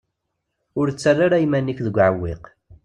Ur ttarra ara iman-ik deg uɛewwiq.